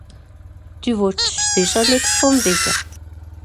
Dü wìtt sìcher nìx vùm wìsse ?